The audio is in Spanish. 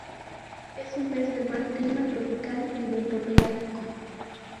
Es un pez de mar clima tropical y bentopelágico.